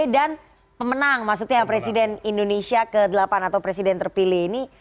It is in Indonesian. dan pemenang maksudnya presiden indonesia ke delapan atau presiden terpilih ini